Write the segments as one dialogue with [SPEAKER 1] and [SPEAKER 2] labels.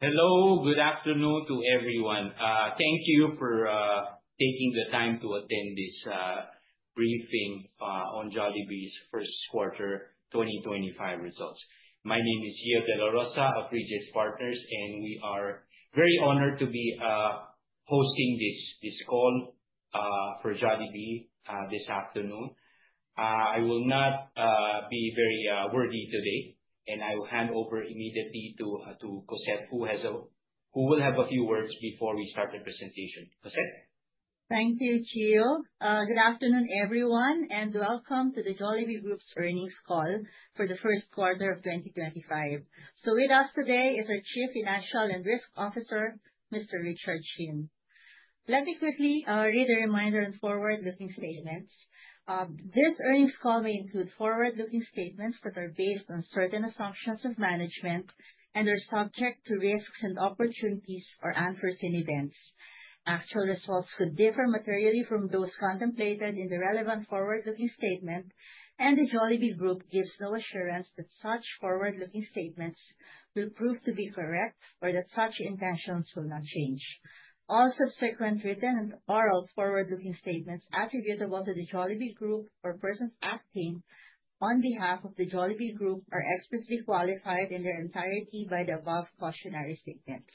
[SPEAKER 1] Hello, good afternoon to everyone. Thank you for taking the time to attend this briefing on Jollibee's First Quarter 2025 Results. My name is Gio de la Rosa of Regis Partners, and we are very honored to be hosting this call for Jollibee this afternoon. I will not be very wordy today, and I will hand over immediately to Cosette, who will have a few words before we start the presentation. Cossette.
[SPEAKER 2] Thank you, Gio. Good afternoon, everyone, and welcome to the Jollibee Group's Earnings Call for the First Quarter of 2025. With us today is our Chief Financial and Risk Officer, Mr. Richard Shin. Let me quickly read a reminder on forward-looking statements. This earnings call may include forward-looking statements that are based on certain assumptions of management and are subject to risks and opportunities or unforeseen events. Actual results could differ materially from those contemplated in the relevant forward-looking statement, and the Jollibee Group gives no assurance that such forward-looking statements will prove to be correct or that such intentions will not change. All subsequent written and oral forward-looking statements attributable to the Jollibee Group or persons acting on behalf of the Jollibee Group are explicitly qualified in their entirety by the above cautionary statements.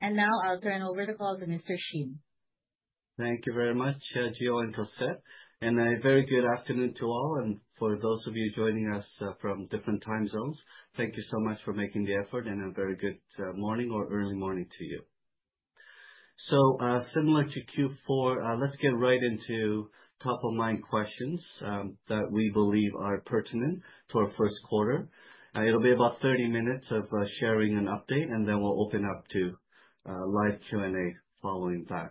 [SPEAKER 2] Now I'll turn over the call to Mr. Shin.
[SPEAKER 3] Thank you very much, Gio and Cosette, and a very good afternoon to all. For those of you joining us from different time zones, thank you so much for making the effort, and a very good morning or early morning to you. Similar to Q4, let's get right into top-of-mind questions that we believe are pertinent to our first quarter. It'll be about 30 minutes of sharing an update, and then we'll open up to live Q&A following that.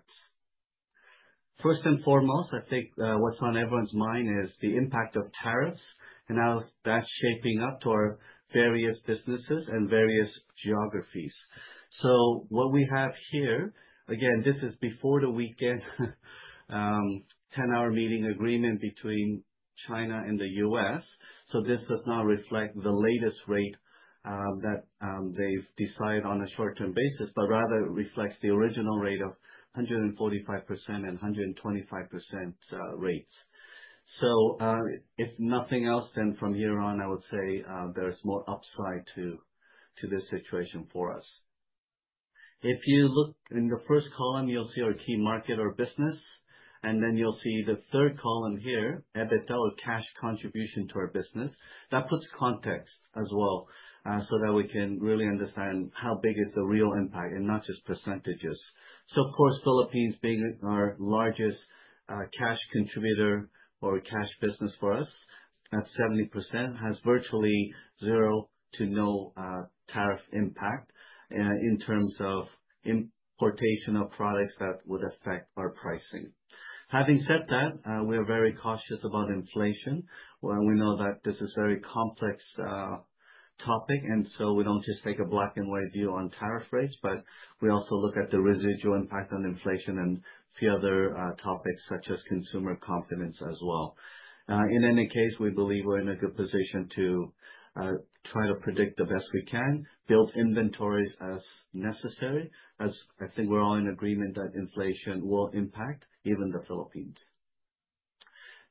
[SPEAKER 3] First and foremost, I think what's on everyone's mind is the impact of tariffs and how that's shaping up to our various businesses and various geographies. What we have here, again, this is before the weekend, 10-hour meeting agreement between China and the U.S. So this does not reflect the latest rate that they've decided on a short-term basis, but rather reflects the original rate of 145% and 125% rates. So, if nothing else, then from here on, I would say, there's more upside to this situation for us. If you look in the first column, you'll see our key market or business, and then you'll see the third column here, EBITDA or cash contribution to our business. That puts context as well, so that we can really understand how big is the real impact and not just percentages. So, of course, Philippines being our largest cash contributor or cash business for us at 70% has virtually zero to no tariff impact in terms of importation of products that would affect our pricing. Having said that, we are very cautious about inflation. We know that this is a very complex topic, and so we don't just take a black-and-white view on tariff rates, but we also look at the residual impact on inflation and a few other topics such as consumer confidence as well. In any case, we believe we're in a good position to try to predict the best we can, build inventories as necessary, as I think we're all in agreement that inflation will impact even the Philippines.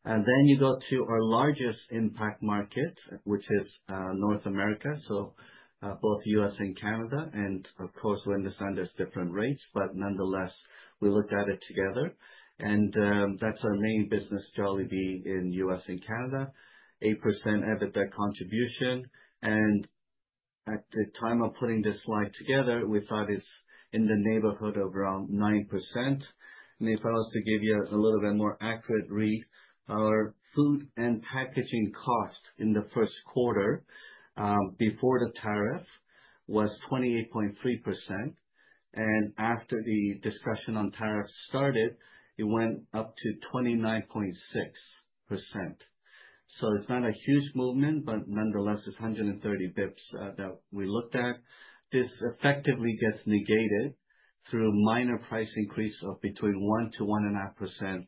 [SPEAKER 3] And then you go to our largest impact market, which is North America. So both the U.S. and Canada, and of course, we understand there's different rates, but nonetheless, we looked at it together. And that's our main business, Jollibee in the U.S. and Canada, 8% EBITDA contribution. And at the time of putting this slide together, we thought it's in the neighborhood of around 9%. If I was to give you a little bit more accurate read, our food and packaging cost in the first quarter, before the tariff was 28.3%. After the discussion on tariffs started, it went up to 29.6%. So it's not a huge movement, but nonetheless, it's 130 basis points that we looked at. This effectively gets negated through minor price increase of between 1%-1.5%,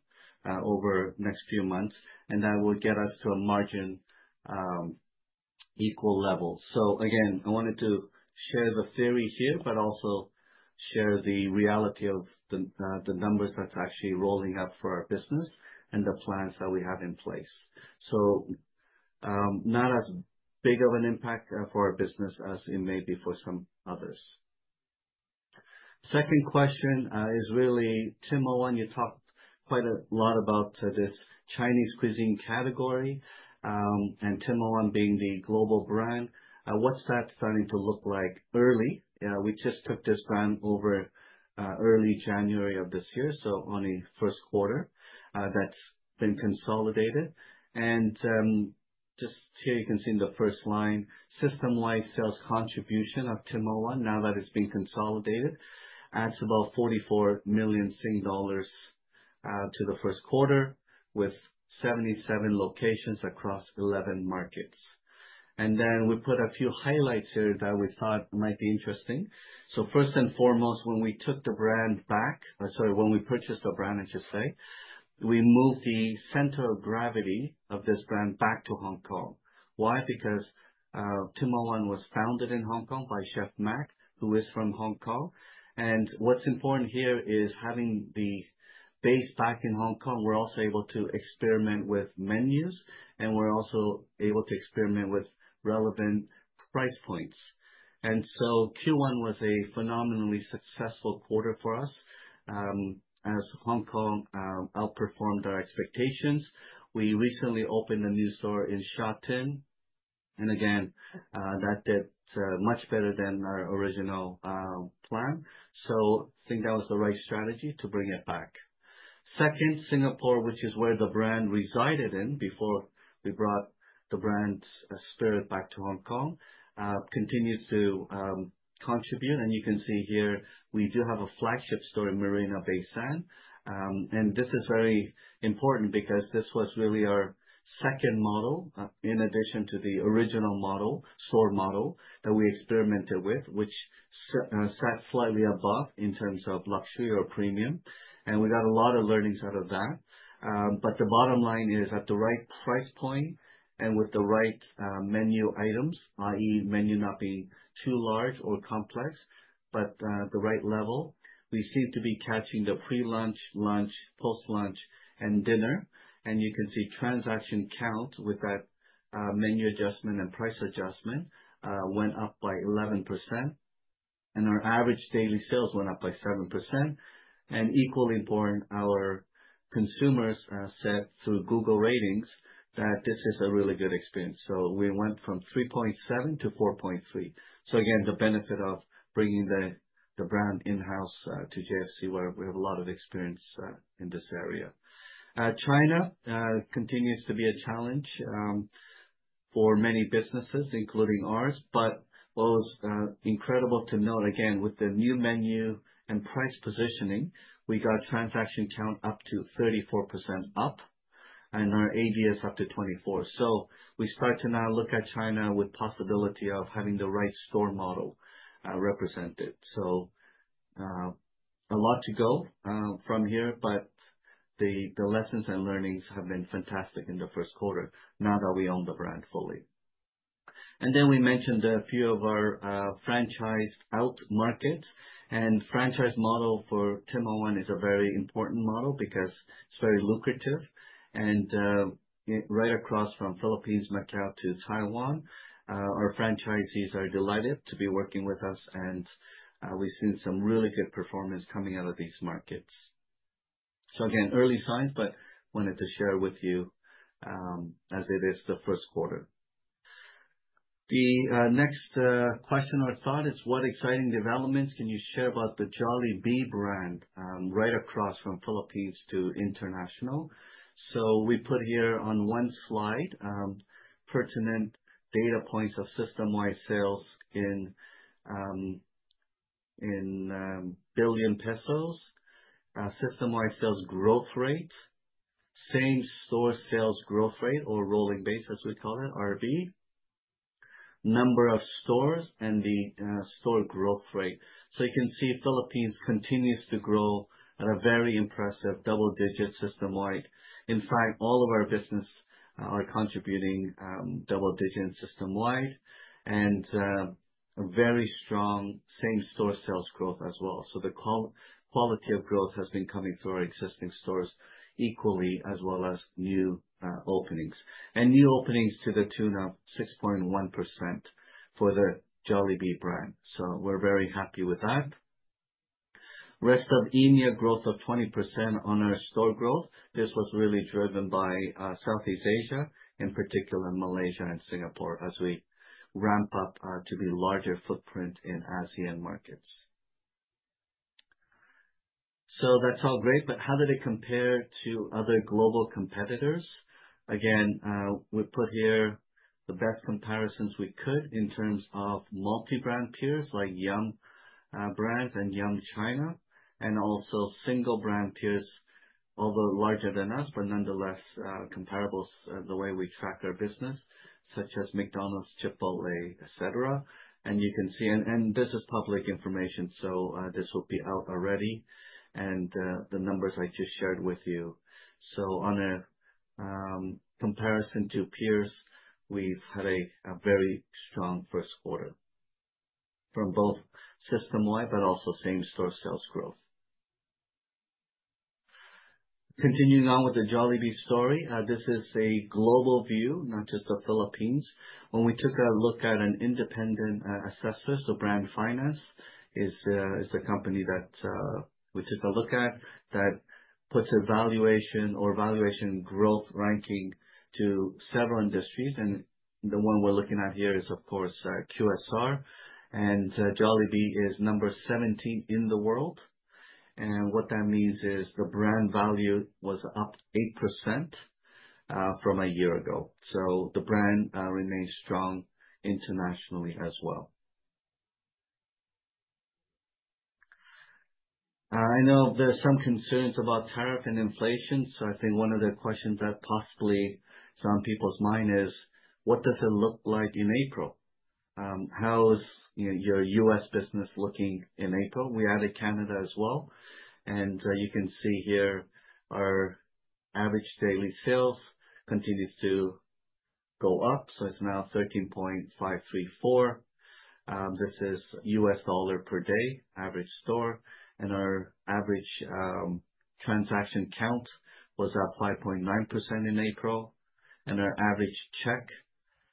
[SPEAKER 3] over the next few months, and that will get us to a margin equal level. So again, I wanted to share the theory here, but also share the reality of the numbers that's actually rolling up for our business and the plans that we have in place. So, not as big of an impact for our business as it may be for some others. Second question is really Tim Ho Wan. You talked quite a lot about this Chinese cuisine category, and Tim Ho Wan being the global brand. What's that starting to look like early? We just took this brand over early January of this year, so only first quarter that's been consolidated, and just here you can see in the first line, system-wide sales contribution of Tim Ho Wan, now that it's been consolidated, adds about 44 million dollars to the first quarter with 77 locations across 11 markets, and then we put a few highlights here that we thought might be interesting, so first and foremost, when we took the brand back, or sorry, when we purchased the brand, I should say, we moved the center of gravity of this brand back to Hong Kong. Why? Because Tim Ho Wan was founded in Hong Kong by Chef Mak, who is from Hong Kong. What's important here is having the base back in Hong Kong. We're also able to experiment with menus, and we're also able to experiment with relevant price points. So Q1 was a phenomenally successful quarter for us, as Hong Kong outperformed our expectations. We recently opened a new store in Sha Tin, and again, that did much better than our original plan. I think that was the right strategy to bring it back. Second, Singapore, which is where the brand resided in before we brought the brand's spirit back to Hong Kong, continues to contribute. You can see here, we do have a flagship store, Marina Bay Sands. And this is very important because this was really our second model, in addition to the original model, store model, that we experimented with, which sat slightly above in terms of luxury or premium. And we got a lot of learnings out of that. But the bottom line is at the right price point and with the right menu items, i.e., menu not being too large or complex, but the right level, we seem to be catching the pre-lunch, lunch, post-lunch, and dinner. And you can see transaction count with that menu adjustment and price adjustment went up by 11%. And our average daily sales went up by 7%. And equally important, our consumers said through Google ratings that this is a really good experience. So we went from 3.7%-4.3%. So again, the benefit of bringing the brand in-house to JFC, where we have a lot of experience in this area. China continues to be a challenge for many businesses, including ours. But what was incredible to note, again, with the new menu and price positioning, we got transaction count up 34%, and our ADS up 24%. So we start to now look at China with the possibility of having the right store model represented. So, a lot to go from here, but the lessons and learnings have been fantastic in the first quarter now that we own the brand fully. And then we mentioned a few of our franchised out markets. And the franchise model for Tim Ho Wan is a very important model because it's very lucrative. And, right across the Philippines, Macau to Taiwan, our franchisees are delighted to be working with us, and we've seen some really good performance coming out of these markets. So again, early signs, but wanted to share with you, as it is the first quarter. The next question or thought is, what exciting developments can you share about the Jollibee brand, right across from Philippines to international? So we put here on one slide pertinent data points of system-wide sales in billions of PHP, system-wide sales growth rate, same store sales growth rate or rolling base, as we call it, RB, number of stores, and the store growth rate. So you can see Philippines continues to grow at a very impressive double-digit system-wide. In fact, all of our business are contributing double-digit system-wide and very strong same store sales growth as well. So the quality of growth has been coming through our existing stores equally as well as new openings, and new openings to the tune of 6.1% for the Jollibee brand. So we're very happy with that. Rest of EMEAA growth of 20% on our store growth. This was really driven by Southeast Asia, in particular Malaysia and Singapore, as we ramp up to be larger footprint in ASEAN markets. So that's all great, but how did it compare to other global competitors? Again, we put here the best comparisons we could in terms of multi-brand peers like Yum! Brands and Yum China, and also single-brand peers, although larger than us, but nonetheless, comparables the way we track our business, such as McDonald's, Chipotle, etc. And you can see, and this is public information, so this will be out already, and the numbers I just shared with you. So on a comparison to peers, we've had a very strong first quarter from both system-wide, but also same store sales growth. Continuing on with the Jollibee story, this is a global view, not just the Philippines. When we took a look at an independent assessor, so Brand Finance is the company that puts a valuation or valuation growth ranking to several industries. The one we're looking at here is, of course, QSR, and Jollibee is number 17 in the world. What that means is the brand value was up 8% from a year ago. The brand remains strong internationally as well. I know there's some concerns about tariff and inflation. One of the questions that possibly is on people's mind is, what does it look like in April? How is your U.S. business looking in April? We added Canada as well. You can see here our average daily sales continues to go up. It's now $13.534. This is U.S. dollar per day average store. Our average transaction count was at 5.9% in April. Our average check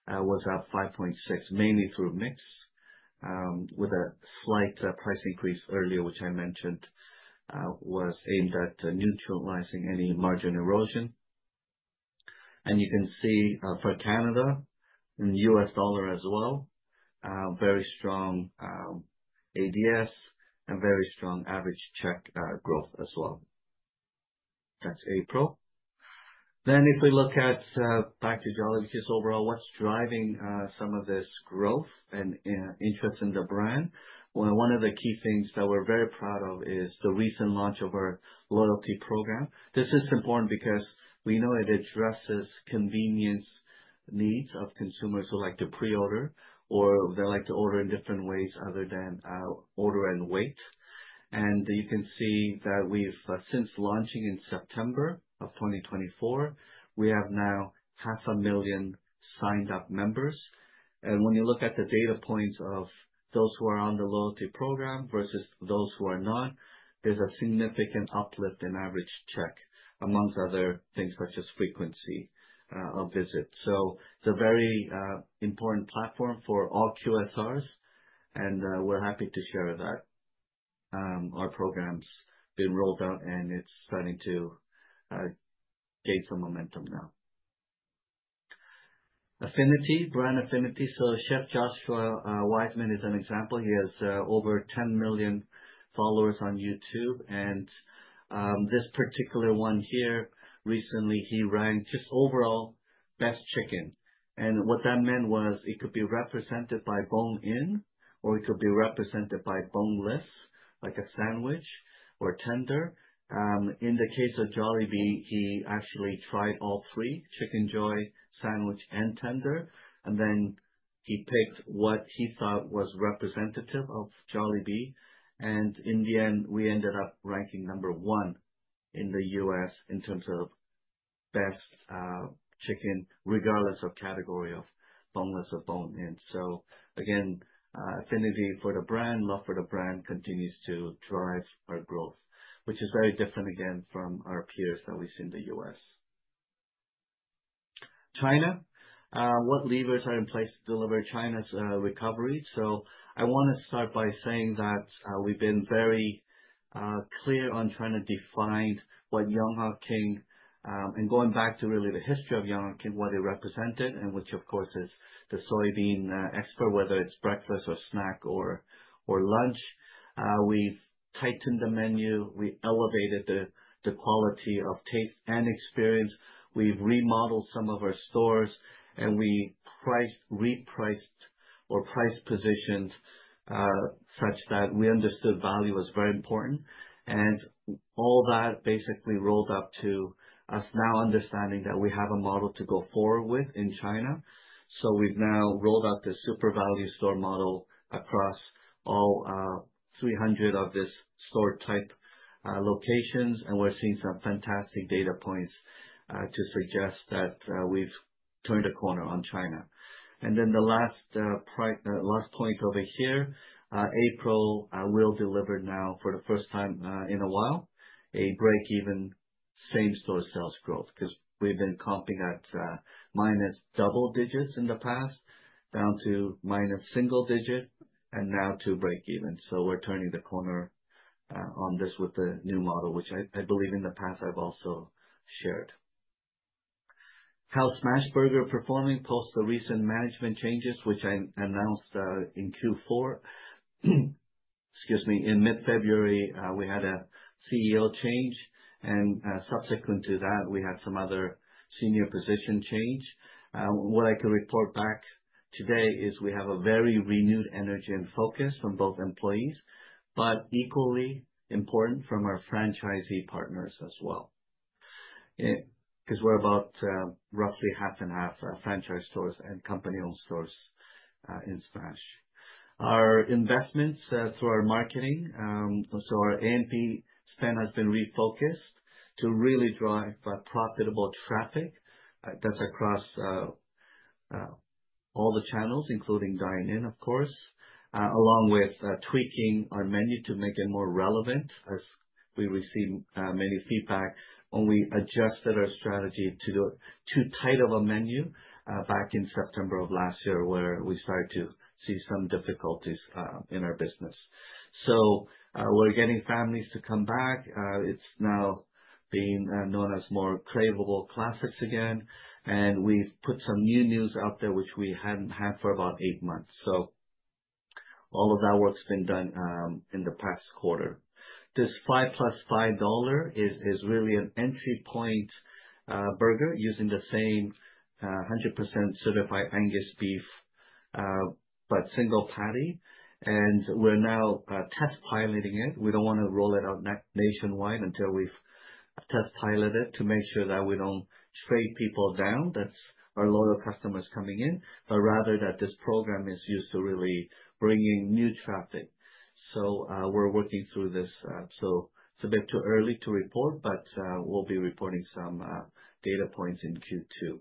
[SPEAKER 3] was at 5.6%, mainly through mix, with a slight price increase earlier, which I mentioned, was aimed at neutralizing any margin erosion. You can see for Canada and the U.S. as well very strong ADS and very strong average check growth as well. That's April. If we look back to Jollibee just overall, what's driving some of this growth and interest in the brand? One of the key things that we're very proud of is the recent launch of our loyalty program. This is important because we know it addresses convenience needs of consumers who like to pre-order or they like to order in different ways other than order and wait. You can see that we've since launching in September of 2024, we have now 500,000 signed-up members. When you look at the data points of those who are on the loyalty program versus those who are not, there's a significant uplift in average check, among other things such as frequency of visits. It's a very important platform for all QSRs, and we're happy to share that. Our program's been rolled out, and it's starting to gain some momentum now. Affinity, brand affinity. Chef Joshua Weissman is an example. He has over 10 million followers on YouTube. This particular one here, recently he ranked just overall best chicken. What that meant was it could be represented by bone in, or it could be represented by boneless, like a sandwich or tender. In the case of Jollibee, he actually tried all three: Chickenjoy, sandwich, and tender. He picked what he thought was representative of Jollibee. And in the end, we ended up ranking number one in the U.S. in terms of best chicken, regardless of category of boneless or bone-in. So again, affinity for the brand, love for the brand continues to drive our growth, which is very different again from our peers that we see in the U.S. China, what levers are in place to deliver China's recovery? So I want to start by saying that we've been very clear on trying to define what Yonghe King and going back to really the history of Yonghe King, what it represented, and which, of course, is the soybean expert, whether it's breakfast or snack or lunch. We've tightened the menu, we elevated the quality of taste and experience. We've remodeled some of our stores, and we priced, repriced, or price positioned such that we understood value was very important. All that basically rolled up to us now understanding that we have a model to go forward with in China. So we've now rolled out the super value store model across all 300 of this store type locations. And we're seeing some fantastic data points to suggest that we've turned a corner on China. And then the last point over here, April, will deliver now for the first time in a while a break-even same store sales growth, because we've been comping at minus double digits in the past, down to minus single digit, and now to break-even. So we're turning the corner on this with the new model, which I, I believe in the past I've also shared. How Smashburger performing post the recent management changes, which I announced in Q4, excuse me, in mid-February, we had a CEO change. Subsequent to that, we had some other senior position change. What I can report back today is we have a very renewed energy and focus from both employees, but equally important from our franchisee partners as well. Because we're about roughly half and half franchise stores and company-owned stores in Smash. Our investments through our marketing, so our A&P spend has been refocused to really drive a profitable traffic. That's across all the channels, including dine-in, of course, along with tweaking our menu to make it more relevant. As we received many feedback when we adjusted our strategy to do it too tight of a menu back in September of last year, where we started to see some difficulties in our business. We're getting families to come back. It's now being known as more craveable classics again. We've put some new news out there, which we hadn't had for about eight months. So all of that work's been done in the past quarter. This $5+$5 is really an entry point burger using the same 100% Certified Angus Beef, but single patty. We're now test piloting it. We don't want to roll it out nationwide until we've test piloted it to make sure that we don't trade people down. That's our loyal customers coming in, but rather that this program is used to really bringing new traffic. We're working through this. It's a bit too early to report, but we'll be reporting some data points in Q2.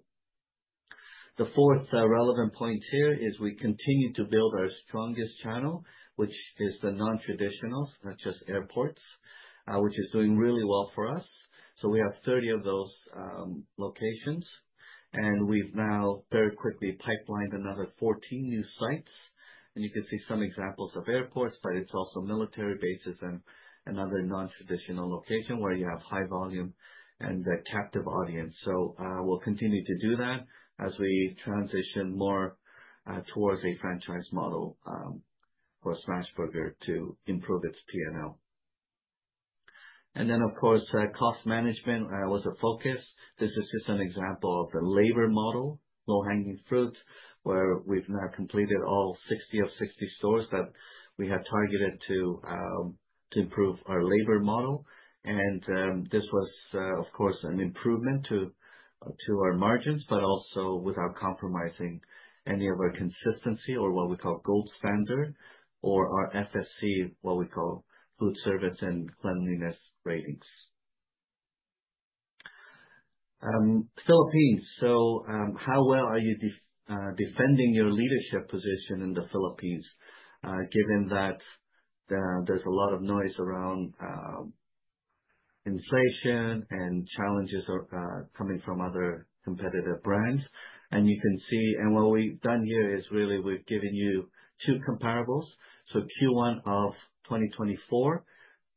[SPEAKER 3] The fourth relevant point here is we continue to build our strongest channel, which is the non-traditionals, not just airports, which is doing really well for us. We have 30 of those locations. We've now very quickly pipelined another 14 new sites. You can see some examples of airports, but it's also military bases and another non-traditional location where you have high volume and a captive audience. We'll continue to do that as we transition more towards a franchise model for Smashburger to improve its P&L. Then, of course, cost management was a focus. This is just an example of the labor model, low-hanging fruit, where we've now completed all 60 of 60 stores that we have targeted to improve our labor model. This was, of course, an improvement to our margins, but also without compromising any of our consistency or what we call gold standard or our FSC, what we call food service and cleanliness ratings. Philippines. How well are you defending your leadership position in the Philippines, given that there's a lot of noise around inflation and challenges coming from other competitive brands? You can see what we've done here is really we've given you two comparables. Q1 of 2024,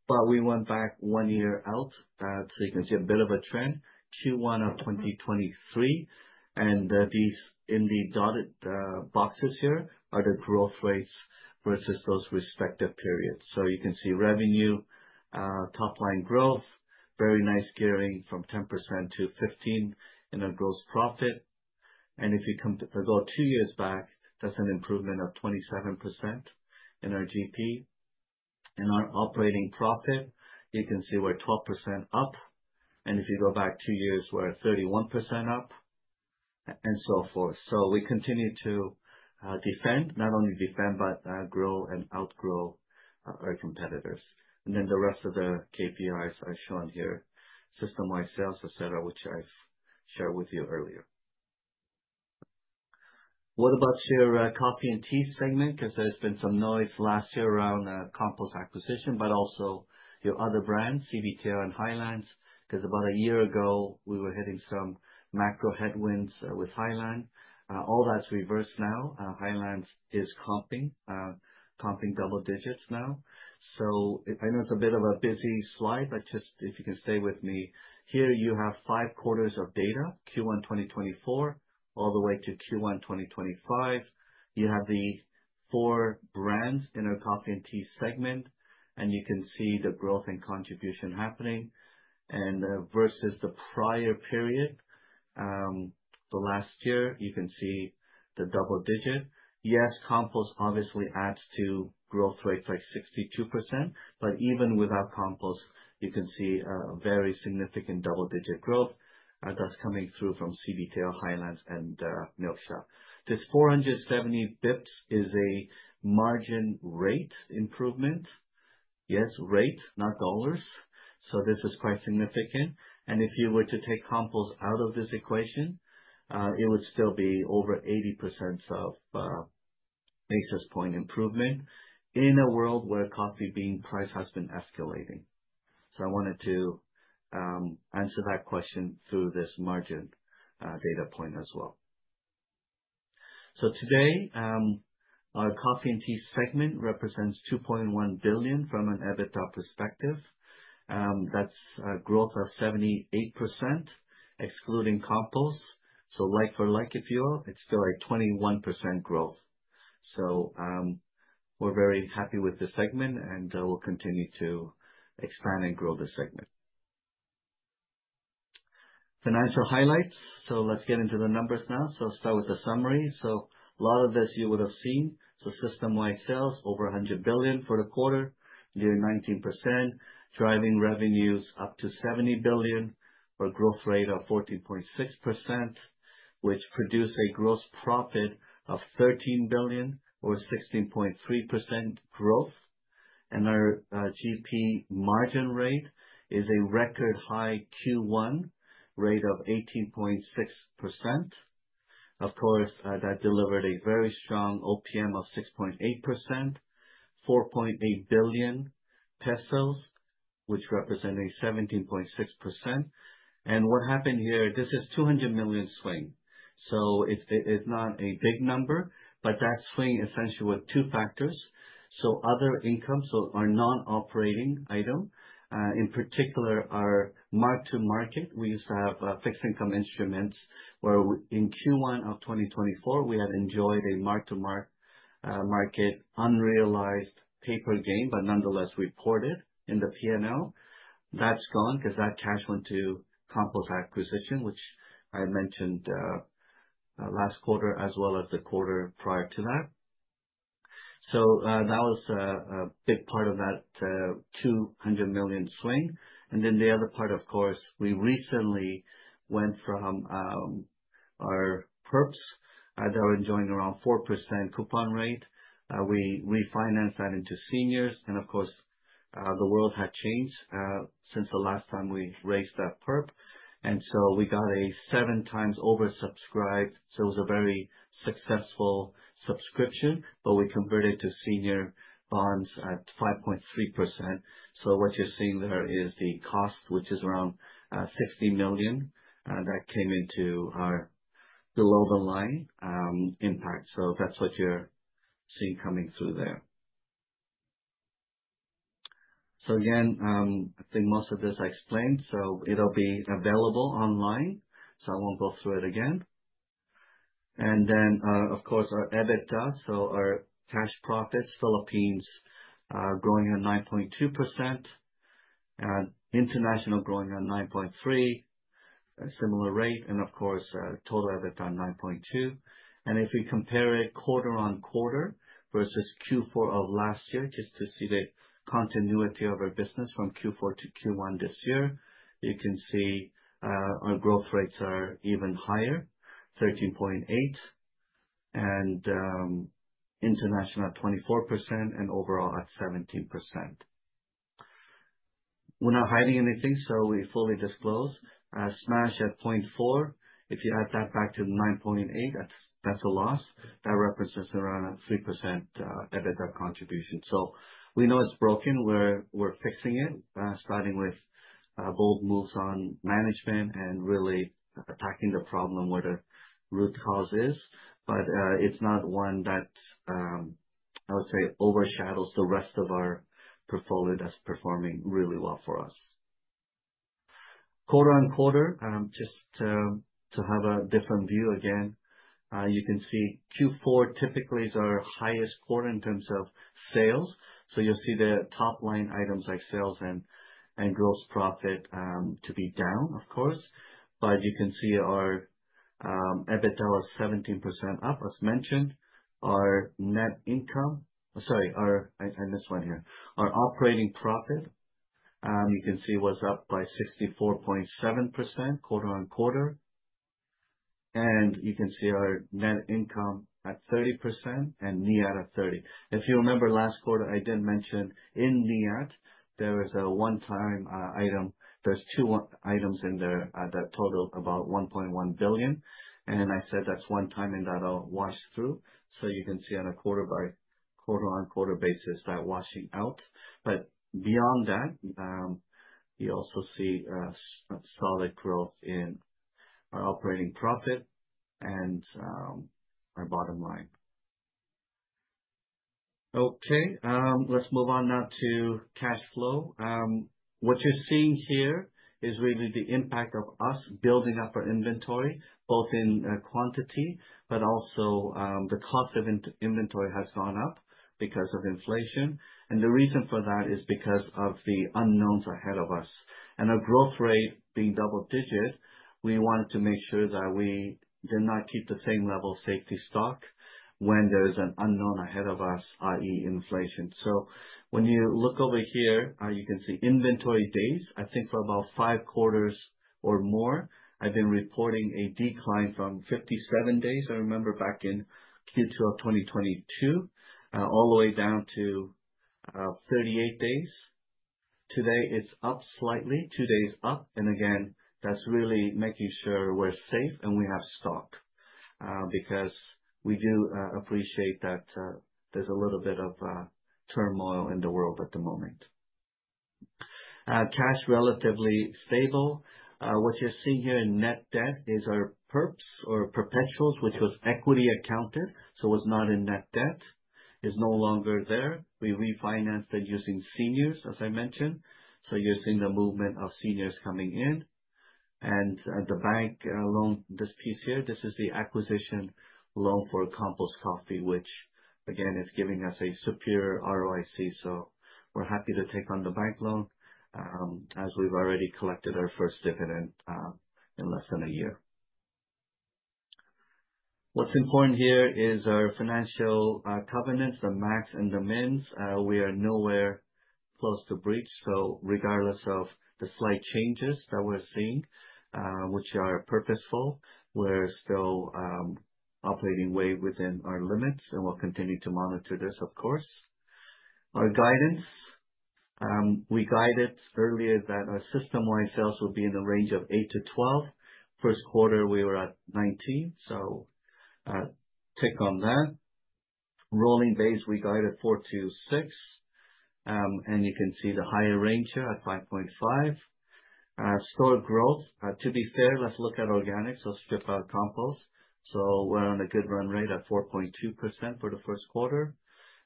[SPEAKER 3] but we went back one year out, so you can see a bit of a trend. Q1 of 2023, and these in the dotted boxes here are the growth rates versus those respective periods. You can see revenue top-line growth, very nice gearing from 10%-15% in our gross profit. If you come to go two years back, that's an improvement of 27% in our GP. In our operating profit, you can see we're 12% up. If you go back two years, we're 31% up and so forth. So we continue to defend, not only defend, but grow and outgrow our competitors. And then the rest of the KPIs are shown here, system-wide sales, etc., which I've shared with you earlier. What about your coffee and tea segment? Because there's been some noise last year around Compose acquisition, but also your other brands, CBTL and Highlands, because about a year ago we were hitting some macro headwinds with Highlands. All that's reversed now. Highlands is comping, comping double digits now. So I know it's a bit of a busy slide, but just if you can stay with me here, you have five quarters of data, Q1 2024 all the way to Q1 2025. You have the four brands in our coffee and tea segment, and you can see the growth and contribution happening. And versus the prior period, the last year, you can see the double digit. Yes, Compose obviously adds to growth rates like 62%, but even without Compose, you can see a very significant double-digit growth. That's coming through from CBTL, Highlands, and Milksha. This 470 basis points is a margin rate improvement. Yes, rate, not dollars. So this is quite significant. If you were to take Compose out of this equation, it would still be over 80% of basis point improvement in a world where coffee bean price has been escalating. So I wanted to answer that question through this margin data point as well. So today, our coffee and tea segment represents 2.1 billion from an EBITDA perspective. That's a growth of 78% excluding Compose. So like for like if you all, it's still a 21% growth. So we're very happy with the segment and we'll continue to expand and grow the segment. Financial highlights. Let's get into the numbers now. I'll start with the summary. A lot of this you would have seen. System-wide sales over 100 billion for the quarter, near 19%, driving revenues up to 70 billion for a growth rate of 14.6%, which produced a gross profit of 13 billion or 16.3% growth. Our GP margin rate is a record high Q1 rate of 18.6%. Of course, that delivered a very strong OPM of 6.8%, 4.8 billion pesos, which represented 17.6%. What happened here, this is 200 million swing. It's not a big number, but that swing essentially with two factors. Other income, our non-operating item, in particular, our mark-to-market, we used to have fixed income instruments where in Q1 of 2024, we had enjoyed a mark-to-market unrealized paper gain, but nonetheless reported in the P&L. That's gone because that cash went to Compose acquisition, which I mentioned last quarter as well as the quarter prior to that. So that was a big part of that, 200 million swing. And then the other part, of course, we recently went from our perps that were enjoying around 4% coupon rate. We refinanced that into seniors. And of course, the world had changed since the last time we raised that perp. And so we got a seven times oversubscribed. So it was a very successful subscription, but we converted to senior bonds at 5.3%. So what you're seeing there is the cost, which is around 60 million, that came into our below-the-line impact. So that's what you're seeing coming through there. So again, I think most of this I explained. So it'll be available online. So I won't go through it again. And then, of course, our EBITDA. Our cash profits, Philippines, growing at 9.2%, international growing at 9.3%, a similar rate. And of course, total EBITDA 9.2%. If we compare it quarter on quarter versus Q4 of last year, just to see the continuity of our business from Q4 to Q1 this year, you can see our growth rates are even higher, 13.8%, and international at 24% and overall at 17%. We're not hiding anything, so we fully disclose. Smash at 0.4%. If you add that back to 9.8%, that's a loss. That represents around a 3% EBITDA contribution. We know it's broken. We're fixing it, starting with bold moves on management and really attacking the problem where the root cause is. It's not one that I would say overshadows the rest of our portfolio that's performing really well for us. Quarter on quarter, just to have a different view again, you can see Q4 typically is our highest quarter in terms of sales. So you'll see the top line items like sales and gross profit to be down, of course. But you can see our EBITDA was 17% up, as mentioned. Our net income, sorry, I missed one here, our operating profit, you can see was up by 64.7% quarter on quarter. And you can see our net income at 30% and NIAT at 30%. If you remember last quarter, I didn't mention in NIAT, there was a one-time item. There's two items in there that total about 1.1 billion. And I said that's one-time and that'll wash through. So you can see on a quarter-on-quarter basis that's washing out. But beyond that, you also see solid growth in our operating profit and our bottom line. Okay, let's move on now to cash flow. What you're seeing here is really the impact of us building up our inventory, both in quantity but also the cost of inventory has gone up because of inflation. And the reason for that is because of the unknowns ahead of us. And our growth rate being double-digit, we wanted to make sure that we did not keep the same level of safety stock when there's an unknown ahead of us, i.e., inflation. So when you look over here, you can see inventory days. I think for about five quarters or more, I've been reporting a decline from 57 days. I remember back in Q2 of 2022, all the way down to 38 days. Today it's up slightly, two days up. And again, that's really making sure we're safe and we have stock, because we do appreciate that there's a little bit of turmoil in the world at the moment. Cash relatively stable. What you're seeing here in net debt is our perps or perpetuals, which was equity accounted. So it was not in net debt. It's no longer there. We refinanced it using seniors, as I mentioned. So you're seeing the movement of seniors coming in. And the bank loan, this piece here, this is the acquisition loan for Compose Coffee, which again is giving us a superior ROIC. So we're happy to take on the bank loan, as we've already collected our first dividend in less than a year. What's important here is our financial covenants, the max and the mins. We are nowhere close to breach. Regardless of the slight changes that we're seeing, which are purposeful, we're still operating way within our limits and we'll continue to monitor this, of course. Our guidance, we guided earlier that our system-wide sales would be in the range of 8%-12%. First quarter, we were at 19%. Tick on that. Rolling base, we guided 4%-6%, and you can see the higher range here at 5.5%. Store growth, to be fair, let's look at organic. Skip out Compose. We're on a good run rate at 4.2% for the first quarter.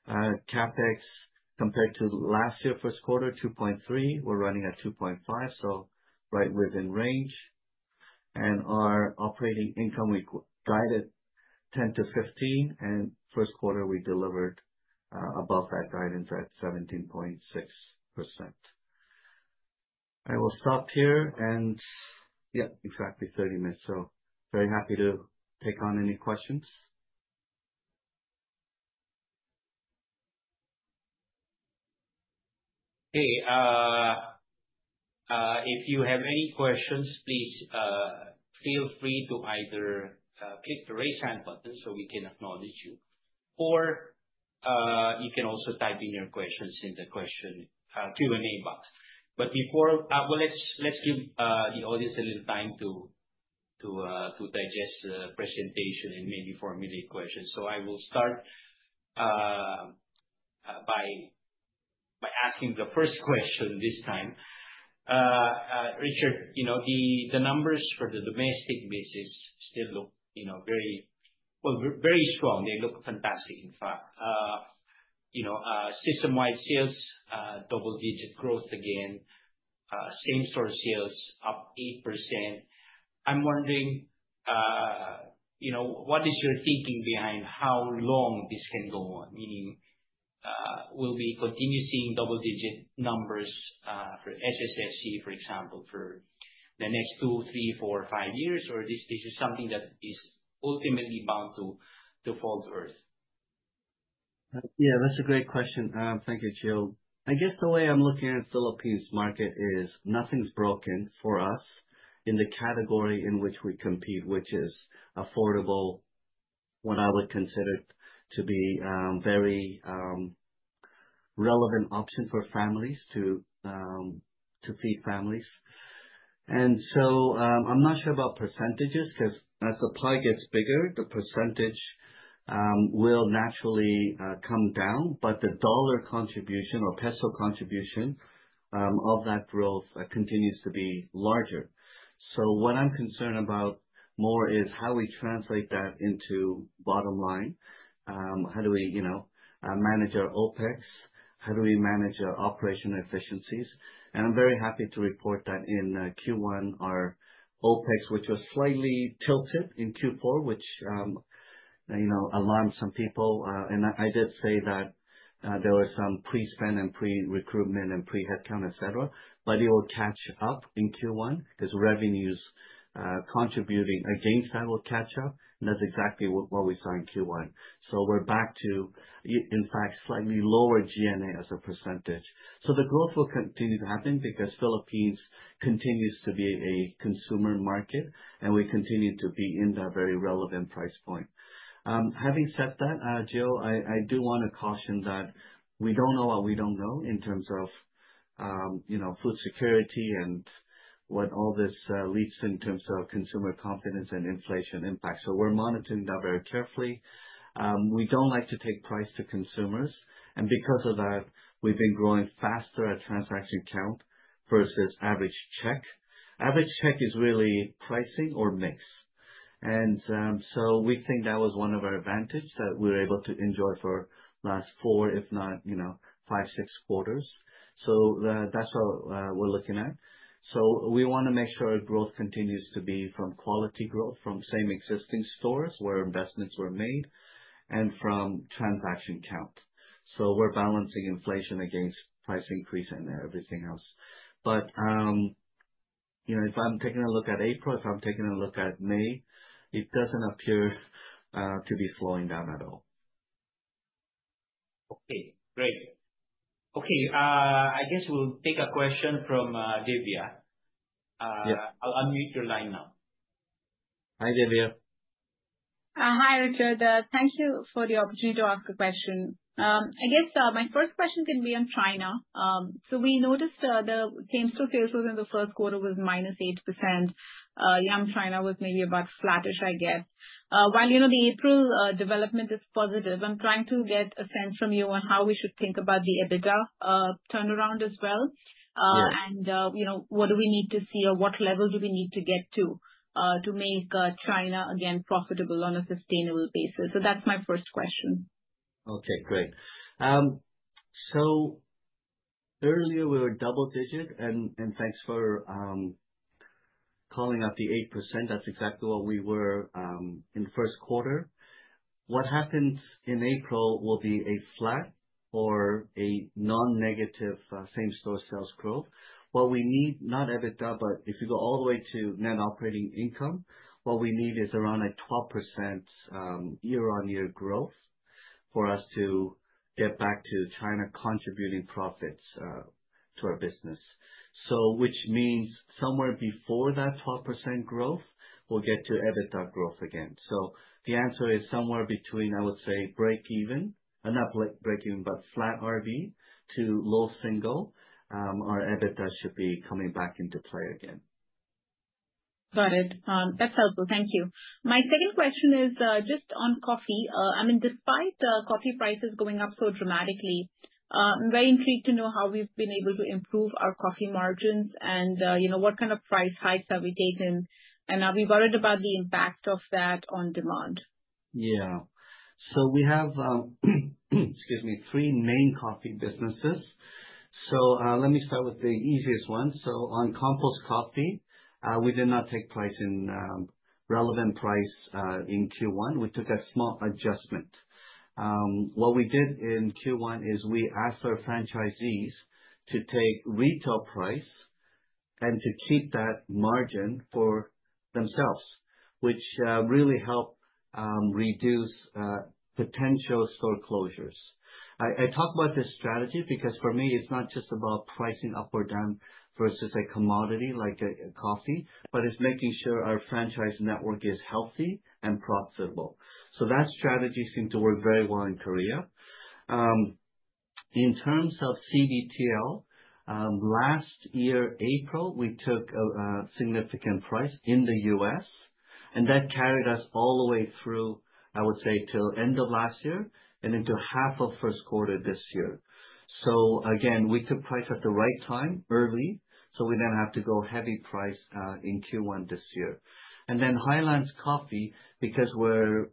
[SPEAKER 3] CapEx compared to last year, first quarter, PHP 2.3 billion. We're running at 2.5 billion. Right within range. Our operating income, we guided 10%-15%. First quarter, we delivered above that guidance at 17.6%. I will stop here and yeah, exactly 30 minutes. Very happy to take on any questions.
[SPEAKER 1] Hey, if you have any questions, please feel free to either click the raise hand button so we can acknowledge you. Or you can also type in your questions in the Q&A box. Before, let's give the audience a little time to digest the presentation and maybe formulate questions. I will start by asking the first question this time. Richard, you know, the numbers for the domestic business still look, you know, very well, very strong. They look fantastic, in fact. You know, system-wide sales double-digit growth again, same store sales up 8%. I'm wondering, you know, what is your thinking behind how long this can go on? Meaning, will we continue seeing double-digit numbers for SSSG, for example, for the next two, three, four, five years? Or this is something that is ultimately bound to fall to earth?
[SPEAKER 3] Yeah, that's a great question. Thank you, Gio. I guess the way I'm looking at Philippine market is nothing's broken for us in the category in which we compete, which is affordable, what I would consider to be, very relevant option for families to feed families. And so, I'm not sure about percentages because as the pie gets bigger, the percentage will naturally come down, but the dollar contribution or peso contribution of that growth continues to be larger. So what I'm concerned about more is how we translate that into bottom line. How do we, you know, manage our OpEx? How do we manage our operational efficiencies? And I'm very happy to report that in Q1, our OpEx, which was slightly tilted in Q4, which, you know, alarmed some people. And I did say that there were some pre-spend and pre-recruitment and pre-headcount, et cetera, but it will catch up in Q1 because revenues contributing against that will catch up. And that's exactly what we saw in Q1. So we're back to, in fact, slightly lower G&A as a percentage. So the growth will continue to happen because Philippines continues to be a consumer market and we continue to be in that very relevant price point. Having said that, Gio, I do want to caution that we don't know what we don't know in terms of, you know, food security and what all this leads to in terms of consumer confidence and inflation impact. So we're monitoring that very carefully. We don't like to take price to consumers. And because of that, we've been growing faster at transaction count versus average check. Average check is really pricing or mix. And so we think that was one of our advantages that we were able to enjoy for last four, if not, you know, five, six quarters. So that's what we're looking at. So we want to make sure our growth continues to be from quality growth, from same existing stores where investments were made, and from transaction count. So we're balancing inflation against price increase and everything else. But you know, if I'm taking a look at April, if I'm taking a look at May, it doesn't appear to be slowing down at all.
[SPEAKER 1] Okay, great. Okay, I guess we'll take a question from Divya. I'll unmute your line now.
[SPEAKER 3] Hi, Divya.
[SPEAKER 4] Hi, Richard. Thank you for the opportunity to ask a question. I guess my first question can be on China. So we noticed the same store sales in the first quarter was -8%. Yeah, in China was maybe about flatish, I guess. While you know the April development is positive, I'm trying to get a sense from you on how we should think about the EBITDA turnaround as well. And you know what do we need to see or what level do we need to get to to make China again profitable on a sustainable basis? So that's my first question.
[SPEAKER 3] Okay, great. So earlier we were double-digit and, and thanks for calling out the 8%. That's exactly what we were in the first quarter. What happens in April will be a flat or a non-negative same store sales growth. What we need, not EBITDA, but if you go all the way to net operating income, what we need is around a 12% year-on-year growth for us to get back to China contributing profits to our business. So which means somewhere before that 12% growth, we'll get to EBITDA growth again. So the answer is somewhere between, I would say, break even, or not break even, but flat RB to low single, our EBITDA should be coming back into play again.
[SPEAKER 4] Got it. That's helpful. Thank you. My second question is, just on coffee. I mean, despite coffee prices going up so dramatically, I'm very intrigued to know how we've been able to improve our coffee margins and, you know, what kind of price hikes have we taken? And are we worried about the impact of that on demand?
[SPEAKER 3] Yeah. So we have, excuse me, three main coffee businesses. So, let me start with the easiest one. So on Compose Coffee, we did not take price in, relevant price, in Q1. We took a small adjustment. What we did in Q1 is we asked our franchisees to take retail price and to keep that margin for themselves, which really helped reduce potential store closures. I talk about this strategy because for me, it's not just about pricing up or down versus a commodity like a coffee, but it's making sure our franchise network is healthy and profitable. So that strategy seemed to work very well in Korea. In terms of CBTL, last year, April, we took a significant price in the U.S., and that carried us all the way through, I would say, till end of last year and into half of first quarter this year. So again, we took price at the right time early, so we didn't have to go heavy price in Q1 this year. And then Highlands Coffee, because we're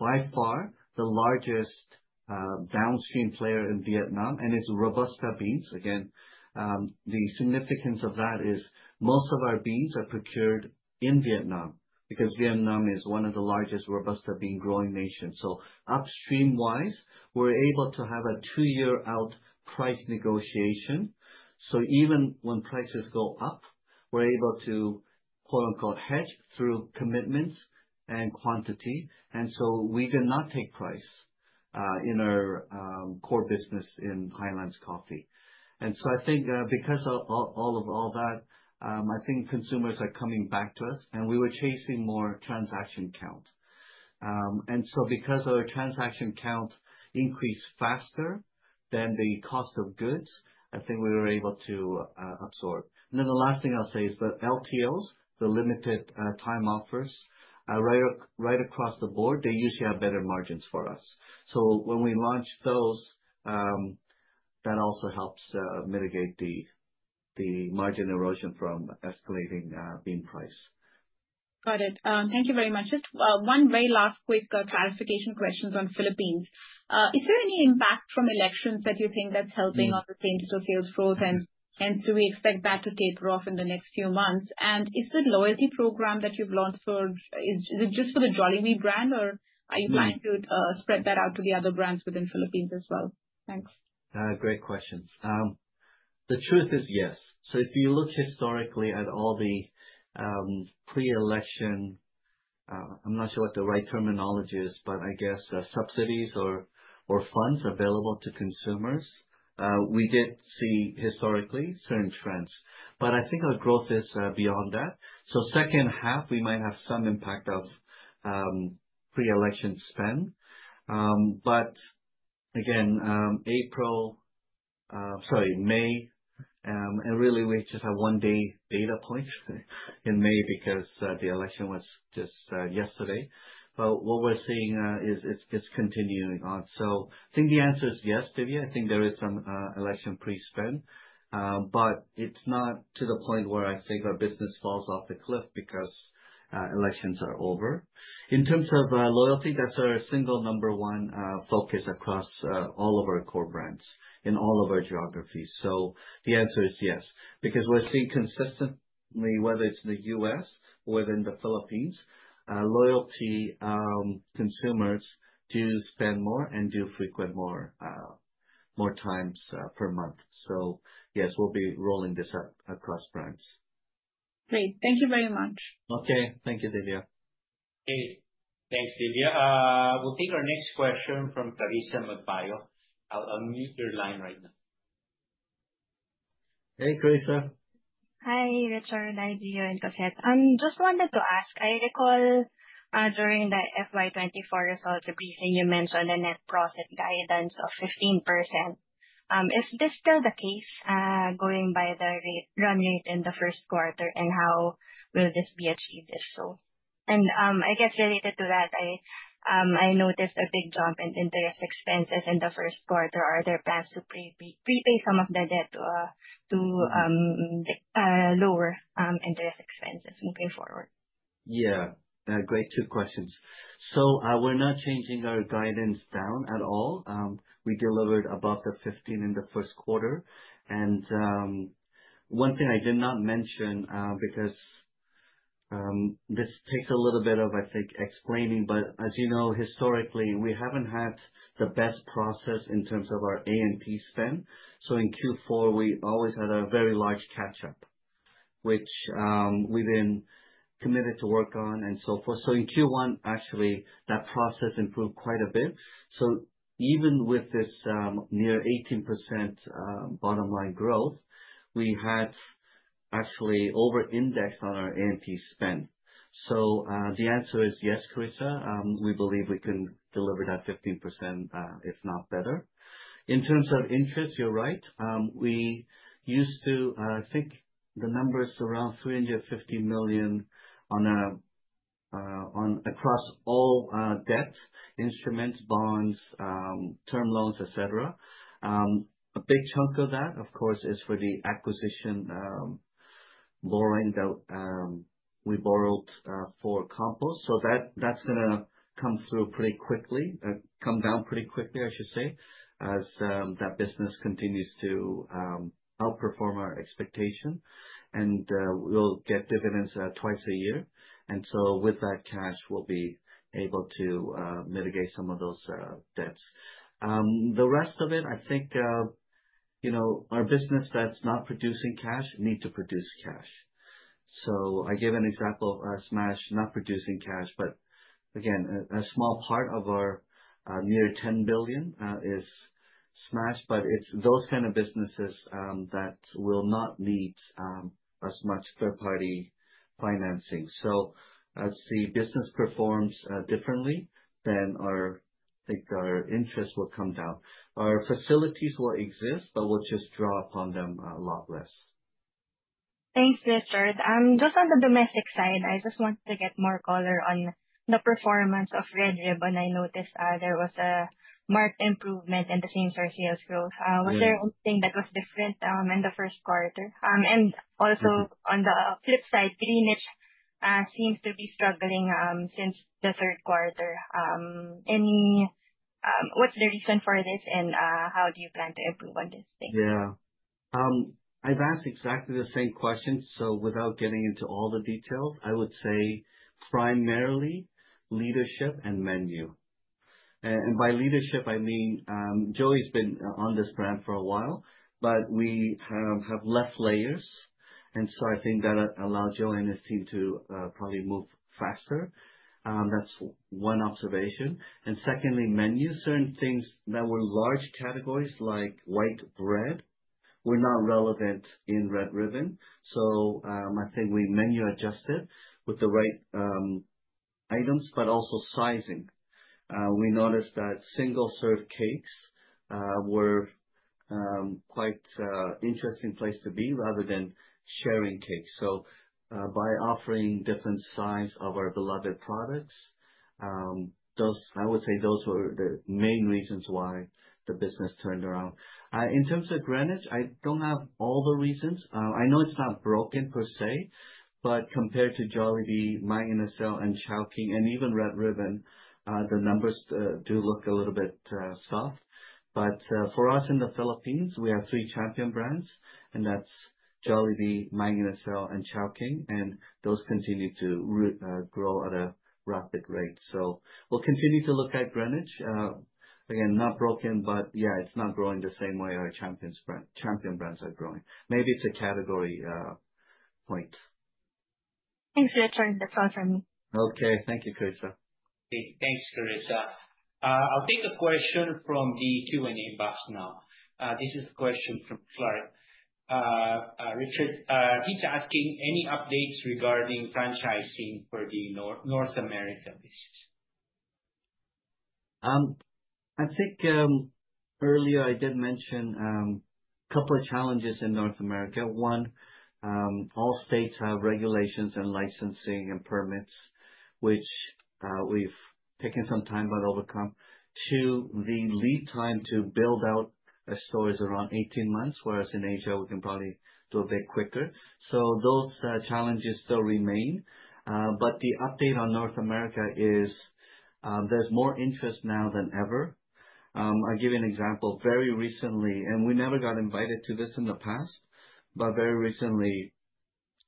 [SPEAKER 3] by far the largest downstream player in Vietnam, and it's Robusta beans. Again, the significance of that is most of our beans are procured in Vietnam because Vietnam is one of the largest Robusta bean growing nations. So upstream wise, we're able to have a two-year-out price negotiation. So even when prices go up, we're able to quote unquote hedge through commitments and quantity. And so we did not take price in our core business in Highlands Coffee. And so I think because of all of that, I think consumers are coming back to us and we were chasing more transaction count. And so, because our transaction count increased faster than the cost of goods, I think we were able to absorb. And then the last thing I'll say is the LTOs, the limited-time offers, right, right across the board. They usually have better margins for us. So when we launch those, that also helps mitigate the margin erosion from escalating bean price.
[SPEAKER 4] Got it. Thank you very much. Just one very last quick clarification question on Philippines. Is there any impact from elections that you think that's helping on the same store sales growth? And do we expect that to taper off in the next few months? And is the loyalty program that you've launched for, is it just for the Jollibee brand or are you planning to spread that out to the other brands within Philippines as well? Thanks.
[SPEAKER 3] Great questions. The truth is yes. So if you look historically at all the pre-election, I'm not sure what the right terminology is, but I guess subsidies or funds available to consumers, we did see historically certain trends, but I think our growth is beyond that. So second half, we might have some impact of pre-election spend. But again, April, sorry, May, and really we just have one day data point in May because the election was just yesterday. But what we're seeing is it's continuing on. So I think the answer is yes, Divya. I think there is some election pre-spend, but it's not to the point where I think our business falls off the cliff because elections are over. In terms of loyalty, that's our single number one focus across all of our core brands in all of our geographies. The answer is yes because we're seeing consistently, whether it's in the U.S. or within the Philippines, loyalty, consumers do spend more and do frequent more times per month. Yes, we'll be rolling this up across brands.
[SPEAKER 4] Great. Thank you very much.
[SPEAKER 3] Okay. Thank you, Divya.
[SPEAKER 1] Okay. Thanks, Divya. We'll take our next question from Karisa Magpayo. I'll unmute your line right now.
[SPEAKER 3] Hey, Karisa.
[SPEAKER 5] Hi, Richard. I'm Divya. Just wanted to ask, I recall, during the FY2024 results briefing, you mentioned a net profit guidance of 15%. Is this still the case, going by the run rate in the first quarter and how will this be achieved if so? And, I guess related to that, I noticed a big jump in interest expenses in the first quarter. Are there plans to prepay some of the debt to lower interest expenses moving forward?
[SPEAKER 3] Yeah. Great two questions. So, we're not changing our guidance down at all. We delivered above the 15% in the first quarter, and one thing I did not mention, because this takes a little bit of, I think, explaining, but as you know, historically, we haven't had the best process in terms of our A&P spend, so in Q4, we always had a very large catch-up, which we've been committed to work on and so forth, so in Q1, actually, that process improved quite a bit, so even with this near 18% bottom line growth, we had actually over-indexed on our A&P spend, so the answer is yes, Karisa, we believe we can deliver that 15%, if not better. In terms of interest, you're right, we used to think the numbers around PHP 350 million across all debt instruments, bonds, term loans, et cetera. A big chunk of that, of course, is for the acquisition, borrowing that, we borrowed, for Compose. So that, that's going to come through pretty quickly, come down pretty quickly, I should say, as, that business continues to, outperform our expectation. We'll get dividends, twice a year. And so with that cash, we'll be able to, mitigate some of those, debts. The rest of it, I think, you know, our business that's not producing cash needs to produce cash. So I gave an example of us not producing cash, but again, a small part of our, near 10 billion, is Smashburger, but it's those kind of businesses, that will not need, as much third-party financing. So as the business performs, differently than our, I think our interest will come down. Our facilities will exist, but we'll just draw upon them a lot less.
[SPEAKER 5] Thanks, Richard. Just on the domestic side, I just want to get more color on the performance of Red Ribbon. I noticed there was a marked improvement in the same store sales growth. Was there anything that was different in the first quarter? And also on the flip side, Greenwich seems to be struggling since the third quarter. Any, what's the reason for this and how do you plan to improve on this thing?
[SPEAKER 3] Yeah. I've asked exactly the same question. So without getting into all the details, I would say primarily leadership and menu. And by leadership, I mean, Joey's been on this brand for a while, but we have left layers. And so I think that allowed Joey and his team to probably move faster. That's one observation. And secondly, menu, certain things that were large categories like white bread were not relevant in Red Ribbon. So I think we menu adjusted with the right items, but also sizing. We noticed that single-serve cakes were quite an interesting place to be rather than sharing cakes. So by offering different sizes of our beloved products, those, I would say those were the main reasons why the business turned around. In terms of Greenwich, I don't have all the reasons. I know it's not broken per se, but compared to Jollibee, Mang Inasal, and Chowking, and even Red Ribbon, the numbers do look a little bit soft. But for us in the Philippines, we have three champion brands, and that's Jollibee, Mang Inasal, and Chowking, and those continue to grow at a rapid rate. So we'll continue to look at Greenwich. Again, not broken, but yeah, it's not growing the same way our champion brands are growing. Maybe it's a category point.
[SPEAKER 5] Thanks for turning this on for me.
[SPEAKER 3] Okay. Thank you, Karisa.
[SPEAKER 1] Thanks, Karisa. I'll take a question from the Q&A box now. This is a question from Clark. Richard, he's asking any updates regarding franchising for the North America business?
[SPEAKER 3] I think earlier I did mention a couple of challenges in North America. One, all states have regulations and licensing and permits, which we've taken some time but overcome. Two, the lead time to build out a store is around 18 months, whereas in Asia we can probably do a bit quicker. So those challenges still remain, but the update on North America is there's more interest now than ever. I'll give you an example. Very recently, and we never got invited to this in the past, but very recently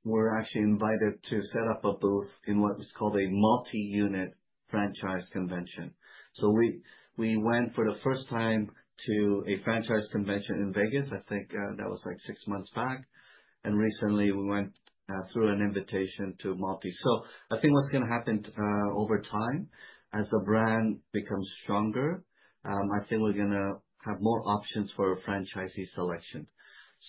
[SPEAKER 3] we're actually invited to set up a booth in what was called a multi-unit franchise convention. So we, we went for the first time to a franchise convention in Vegas. I think that was like six months back. And recently we went through an invitation to multi. So I think what's going to happen, over time as the brand becomes stronger, I think we're going to have more options for a franchisee selection.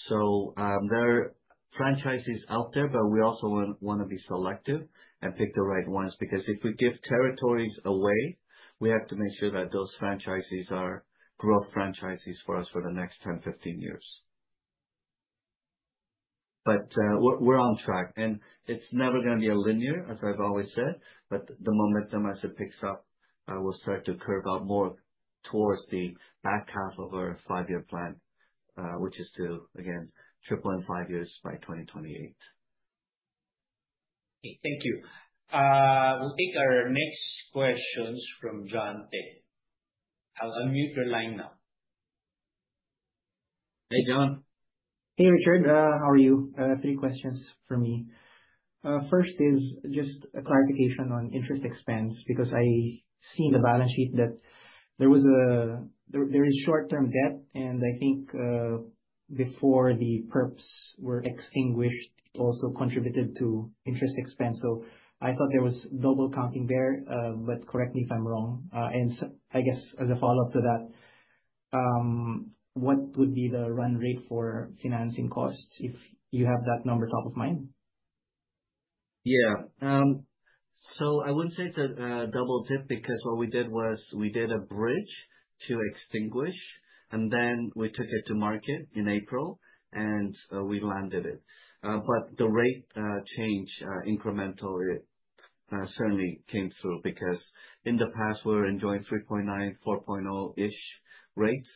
[SPEAKER 3] So, there are franchisees out there, but we also want to be selective and pick the right ones because if we give territories away, we have to make sure that those franchisees are growth franchisees for us for the next 10, 15 years. But, we're on track and it's never going to be a linear, as I've always said, but the momentum as it picks up, will start to curve out more towards the back half of our five-year plan, which is to, again, triple in five years by 2028.
[SPEAKER 1] Okay. Thank you. We'll take our next questions from John Te. I'll unmute your line now.
[SPEAKER 3] Hey, John.
[SPEAKER 6] Hey, Richard. How are you? Three questions for me. First is just a clarification on interest expense because I see in the balance sheet that there is short-term debt and I think, before the perps were extinguished, it also contributed to interest expense. So I thought there was double counting there, but correct me if I'm wrong. I guess as a follow-up to that, what would be the run rate for financing costs if you have that number top of mind?
[SPEAKER 3] Yeah. So I wouldn't say it's a double dip because what we did was we did a bridge to extinguish and then we took it to market in April and we landed it. But the rate change incremental it certainly came through because in the past we were enjoying 3.9%, 4.0%-ish rates.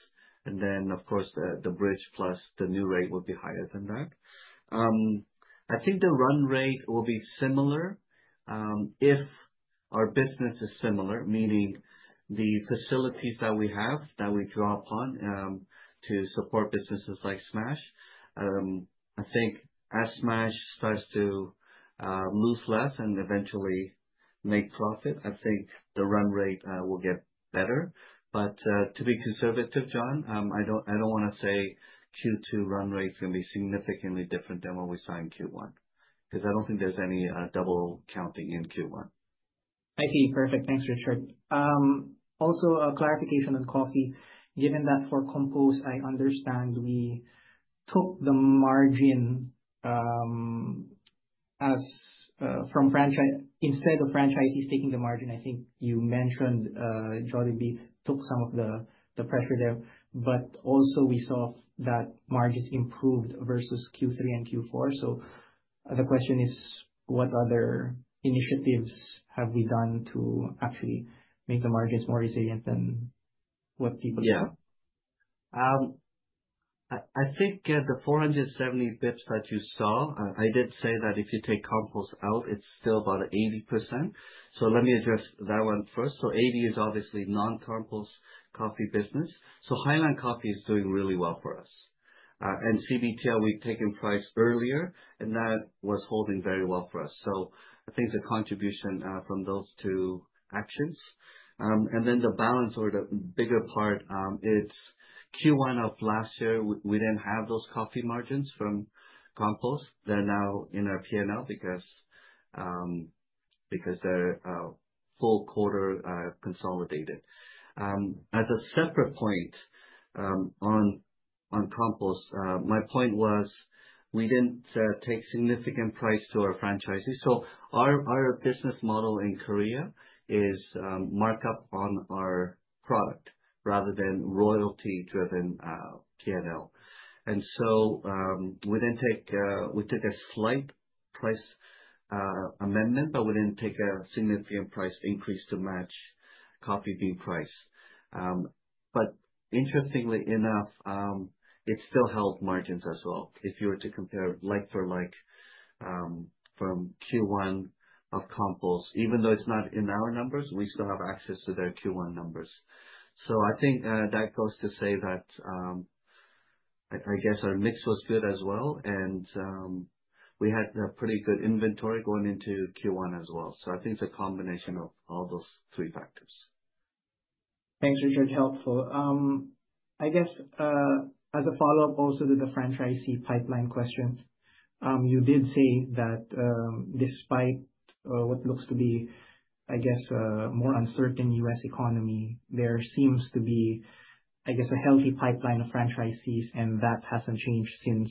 [SPEAKER 3] And then of course the bridge plus the new rate would be higher than that. I think the run rate will be similar, if our business is similar, meaning the facilities that we have that we draw upon to support businesses like Smash. I think as Smash starts to lose less and eventually make profit, I think the run rate will get better. But, to be conservative, John, I don't want to say Q2 run rate is going to be significantly different than what we saw in Q1 because I don't think there's any double counting in Q1.
[SPEAKER 6] I see. Perfect. Thanks, Richard. Also a clarification on coffee. Given that for Compose, I understand we took the margin, as from franchise instead of franchisees taking the margin. I think you mentioned, Jollibee took some of the pressure there, but also we saw that margins improved versus Q3 and Q4. So the question is, what other initiatives have we done to actually make the margins more resilient than what people saw?
[SPEAKER 3] Yeah. I think the 470 basis points that you saw. I did say that if you take Compose out, it's still about 80%. So let me address that one first. So 80% is obviously non-Compose coffee business. So Highlands Coffee is doing really well for us. And CBTL, we've taken price earlier and that was holding very well for us. So I think the contribution from those two actions, and then the balance or the bigger part, it's Q1 of last year, we didn't have those coffee margins from Compose. They're now in our P&L because they're full quarter consolidated. As a separate point, on Compose, my point was we didn't take significant price to our franchisees. So our business model in Korea is markup on our product rather than royalty-driven P&L. We didn't take, we took a slight price amendment, but we didn't take a significant price increase to match Coffee Bean price. But interestingly enough, it still held margins as well. If you were to compare like for like, from Q1 of Compose, even though it's not in our numbers, we still have access to their Q1 numbers. So I think that goes to say that I guess our mix was good as well. And we had a pretty good inventory going into Q1 as well. So I think it's a combination of all those three factors.
[SPEAKER 6] Thanks, Richard. Helpful. I guess, as a follow-up also to the franchisee pipeline questions, you did say that, despite what looks to be, I guess, more uncertain U.S. economy, there seems to be, I guess, a healthy pipeline of franchisees, and that hasn't changed since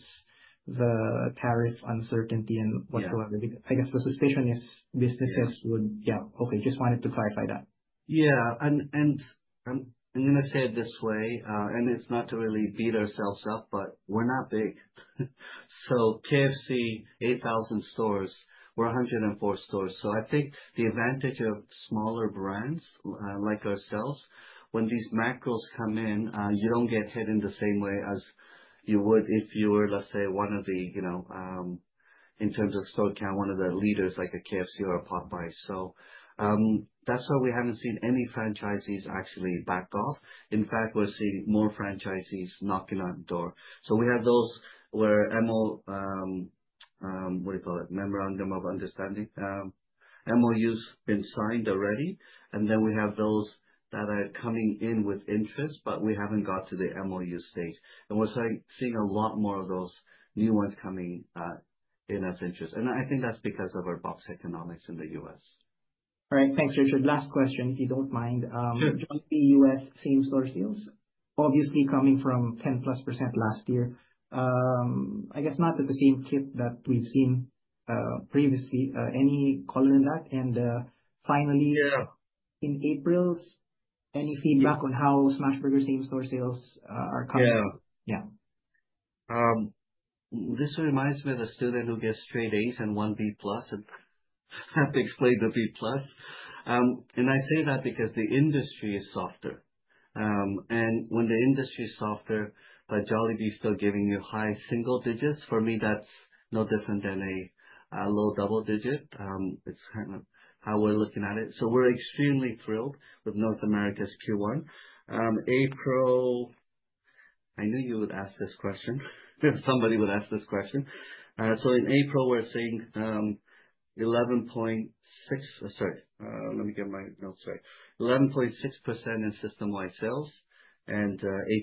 [SPEAKER 6] the tariff uncertainty and whatsoever. I guess the suspicion is businesses would, yeah, okay. Just wanted to clarify that.
[SPEAKER 3] Yeah. And I'm going to say it this way, and it's not to really beat ourselves up, but we're not big. So KFC, 8,000 stores, we're 104 stores. So I think the advantage of smaller brands, like ourselves, when these macros come in, you don't get hit in the same way as you would if you were, let's say, one of the, you know, in terms of store count, one of the leaders like a KFC or a Popeyes. So, that's why we haven't seen any franchisees actually back off. In fact, we're seeing more franchisees knocking on the door. So we have those where MOU, what do you call it? Memorandum of understanding, MOUs been signed already. And then we have those that are coming in with interest, but we haven't got to the MOU stage. And we're seeing a lot more of those new ones coming in U.S. interest. And I think that's because of our box economics in the U.S.
[SPEAKER 6] All right. Thanks, Richard. Last question, if you don't mind. Jollibee U.S. same store sales, obviously coming from 10+% last year. I guess not at the same clip that we've seen, previously. And, finally.
[SPEAKER 3] Yeah.
[SPEAKER 6] In April, any feedback on how Smashburger's same store sales are coming?
[SPEAKER 3] Yeah.
[SPEAKER 6] Yeah.
[SPEAKER 3] This reminds me of the student who gets straight A's and one B plus, and I have to explain the B plus. And I say that because the industry is softer. And when the industry is softer, but Jollibee's still giving you high single digits, for me, that's no different than a low double digit. It's kind of how we're looking at it. So we're extremely thrilled with North America's Q1. April, I knew you would ask this question. Somebody would ask this question. So in April, we're seeing 11.6%, sorry, let me get my notes right. 11.6% in system-wide sales and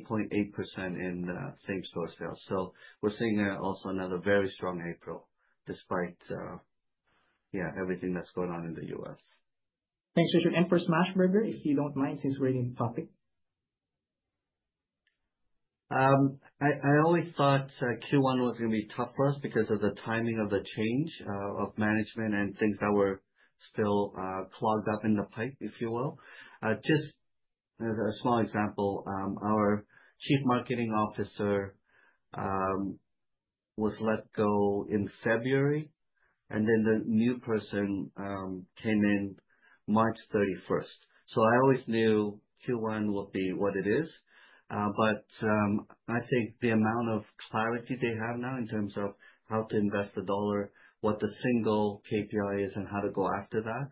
[SPEAKER 3] 8.8% in same store sales. So we're seeing also another very strong April despite yeah, everything that's going on in the U.S.
[SPEAKER 6] Thanks, Richard, and for Smashburger, if you don't mind, since we're in the topic.
[SPEAKER 3] I always thought Q1 was going to be tough for us because of the timing of the change of management and things that were still clogged up in the pipe, if you will. Just as a small example, our chief marketing officer was let go in February, and then the new person came in March 31st. So I always knew Q1 will be what it is. But I think the amount of clarity they have now in terms of how to invest the dollar, what the single KPI is, and how to go after that.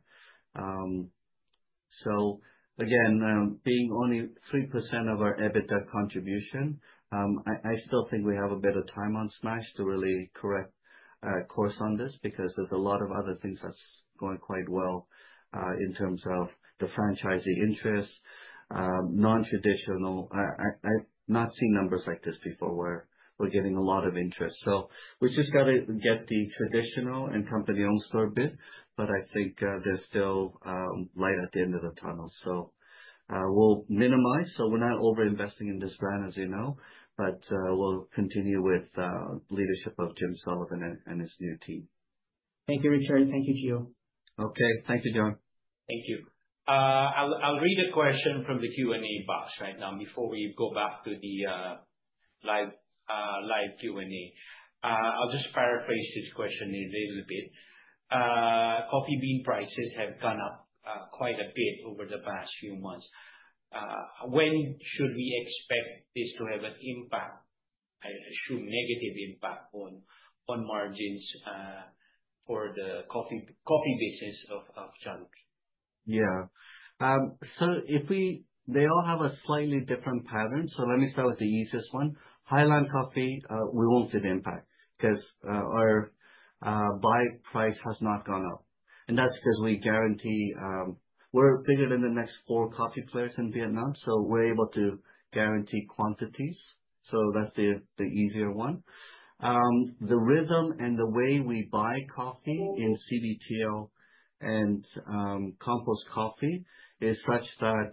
[SPEAKER 3] So again, being only 3% of our EBITDA contribution, I still think we have a bit of time on Smash to really correct course on this because there's a lot of other things that's going quite well in terms of the franchisee interest, non-traditional. I've not seen numbers like this before where we're getting a lot of interest, so we just got to get the traditional and company-owned store bit, but I think there's still light at the end of the tunnel, so we'll minimize, so we're not over-investing in this brand, as you know, but we'll continue with leadership of Jim Sullivan and his new team.
[SPEAKER 6] Thank you, Richard. Thank you, Gio.
[SPEAKER 3] Okay. Thank you, John.
[SPEAKER 1] Thank you. I'll read a question from the Q&A box right now before we go back to the live Q&A. I'll just paraphrase this question a little bit. Coffee bean prices have gone up quite a bit over the past few months. When should we expect this to have an impact, I assume negative impact on margins, for the coffee business of Jollibee?
[SPEAKER 3] Yeah. So they all have a slightly different pattern. So let me start with the easiest one. Highlands Coffee, we won't see the impact because our buy price has not gone up. And that's because we guarantee we're bigger than the next four coffee players in Vietnam. So we're able to guarantee quantities. So that's the easier one. The rhythm and the way we buy coffee in CBTL and Compose Coffee is such that,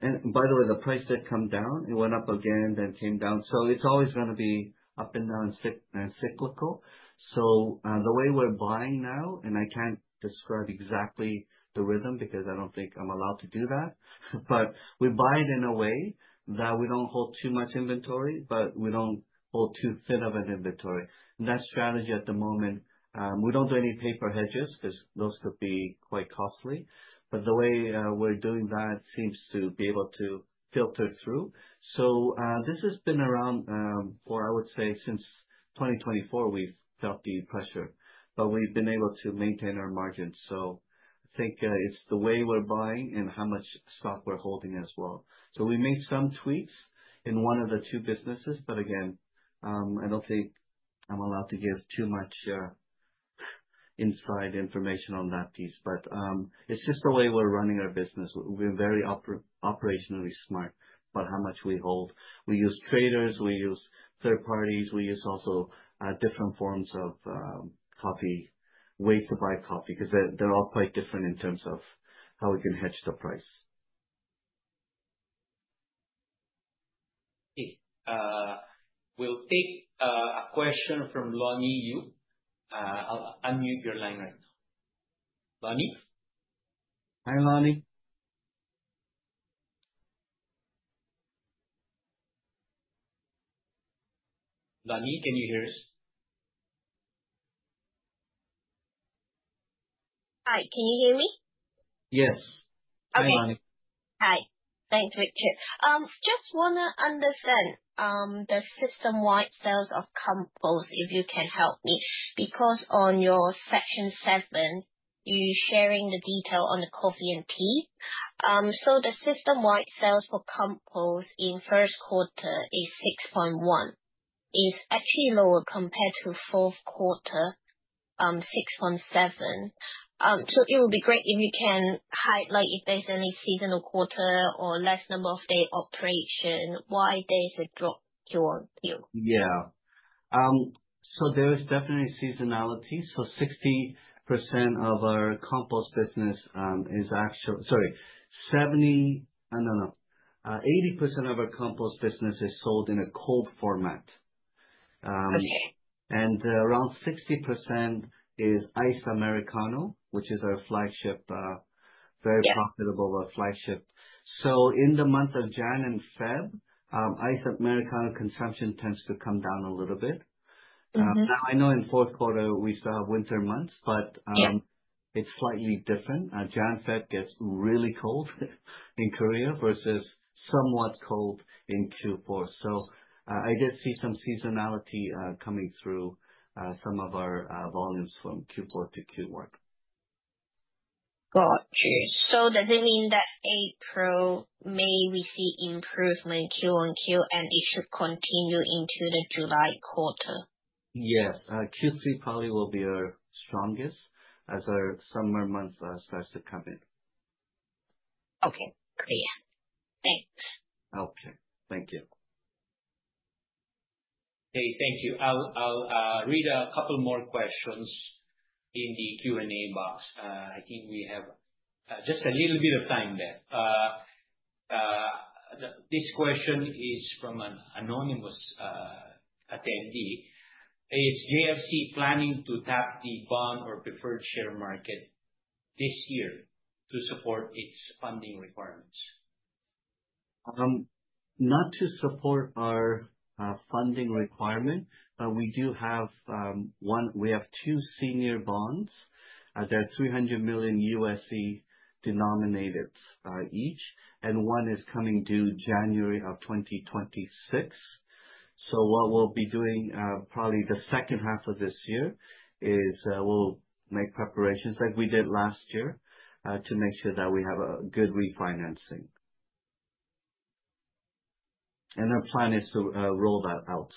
[SPEAKER 3] and by the way, the price did come down. It went up again, then came down. So it's always going to be up and down and cyclical. So the way we're buying now, and I can't describe exactly the rhythm because I don't think I'm allowed to do that, but we buy it in a way that we don't hold too much inventory, but we don't hold too thin of an inventory. That strategy at the moment, we don't do any paper hedges because those could be quite costly. The way we're doing that seems to be able to filter through. This has been around for, I would say, since 2024, we've felt the pressure, but we've been able to maintain our margins. I think it's the way we're buying and how much stock we're holding as well. We made some tweaks in one of the two businesses, but again, I don't think I'm allowed to give too much inside information on that piece, but it's just the way we're running our business. We're very operationally smart about how much we hold. We use traders, we use third parties, we use also different forms of coffee ways to buy coffee because they're all quite different in terms of how we can hedge the price.
[SPEAKER 1] Okay. We'll take a question from Lonnie Yu. I'll unmute your line right now. Lonnie?
[SPEAKER 3] Hi, Lonnie.
[SPEAKER 1] Lonnie, can you hear us?
[SPEAKER 7] Hi. Can you hear me?
[SPEAKER 3] Yes.
[SPEAKER 7] Okay.
[SPEAKER 3] Hi, Lonnie.
[SPEAKER 7] Hi. Thanks, Richard. I just want to understand the system-wide sales of Compose, if you can help me, because on your section seven, you're sharing the detail on the coffee and tea, so the system-wide sales for Compose in first quarter is 6.1%. It's actually lower compared to fourth quarter, 6.7%, so it would be great if you can highlight if there's any seasonal quarter or less number of day operation, why there's a drop, Gio.
[SPEAKER 3] Yeah. So there is definitely seasonality. So 60% of our Compose business is actually, sorry, 70, no, no, no, 80% of our Compose business is sold in a cold format.
[SPEAKER 7] Okay.
[SPEAKER 3] Around 60% is Iced Americano, which is our flagship, very profitable flagship. So in the month of January and February, Iced Americano consumption tends to come down a little bit. Now I know in fourth quarter we still have winter months, but it's slightly different. January February gets really cold in Korea versus somewhat cold in Q4. So I did see some seasonality coming through, some of our volumes from Q4 to Q1.
[SPEAKER 7] Gotcha. So does it mean that in April we may see improvement in Q1, Q2, and it should continue into the July quarter?
[SPEAKER 3] Yes. Q3 probably will be our strongest as our summer month starts to come in.
[SPEAKER 7] Okay. Great. Thanks.
[SPEAKER 3] Okay. Thank you.
[SPEAKER 1] Okay. Thank you. I'll read a couple more questions in the Q&A box. I think we have just a little bit of time there. This question is from an anonymous attendee. Is JFC planning to tap the bond or preferred share market this year to support its funding requirements?
[SPEAKER 3] not to support our funding requirement, but we do have one. We have two senior bonds. They're $300 million USD-denominated each, and one is coming due January of 2026. What we'll be doing probably the second half of this year is we'll make preparations like we did last year to make sure that we have a good refinancing. Our plan is to roll that out.